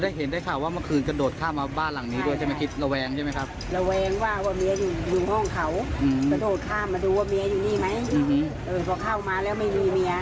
ระแวงว่าว่าเมียอยู่ห้องเขากระโดดข้ามมาดูว่าเมียอยู่นี่ไหมแต่พอเข้ามาแล้วไม่มีเมีย